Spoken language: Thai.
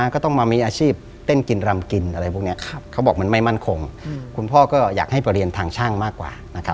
ก็ต้องบอกว่า